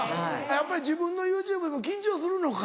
やっぱり自分のＹｏｕＴｕｂｅでも緊張するのか。